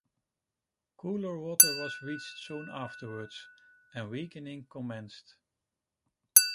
Cooler water was reached soon afterwards, and weakening commenced.